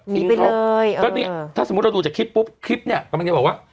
มีไปเลยเออถ้าสมมุติเราดูจากคลิปปุ๊บคลิปเนี้ยกำลังงี้บอกว่า